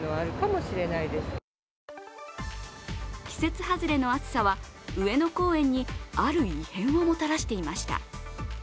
季節外れの暑さは上野公園にある異変をもたらしていました。